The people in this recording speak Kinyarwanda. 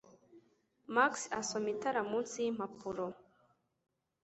Max asoma itara munsi yimpapuro